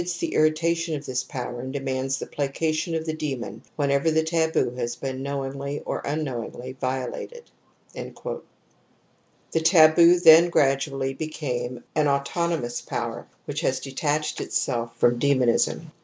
307. THE AMBIVALENCE OF EMOTIONS 41 the irritation of this power and demands the placation of the demon whenever the taboo has been knowingly or unknowingly violated." The taboo then gradually became an auto nomous power which has detached itself from demonism.